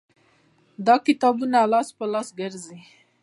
دا کتابونه لاس په لاس ګرځېدل